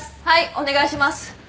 はいお願いします。